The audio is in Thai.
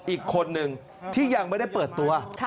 อีกคนนึงที่ยังไม่ได้เปิดตัว